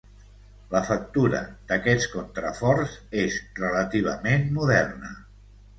La factura d'aquests contraforts és relativament moderna.